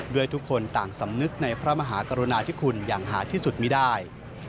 ทุกคนต่างสำนึกในพระมหากรุณาที่คุณอย่างหาที่สุดไม่ได้